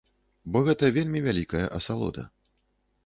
Бо гэта вельмі вялікая асалода.